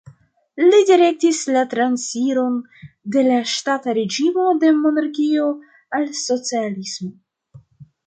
Li direktis la transiron de la ŝtata reĝimo de monarkio al socialismo.